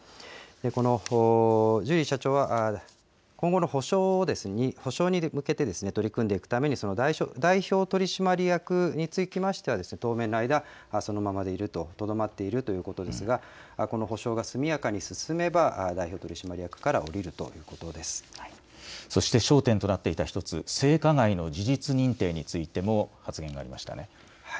このジュリー社長は、今後の補償に向けて取り組んでいくために、代表取締役につきましては当面の間そのままでいると、とどまっているということですが、この補償が速やかに進めば代表取そして焦点となっていた１つ、性加害の事実認定についても発言がありましたね。